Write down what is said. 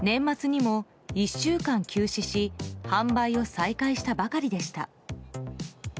年末にも１週間休止し販売を再開したばかりでした。